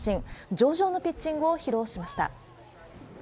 上々のピッチングを披露しました。